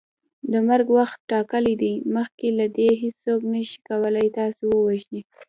د مرګ وخت ټاکلی دی مخکي له دې هیڅوک نسي کولی تاسو ووژني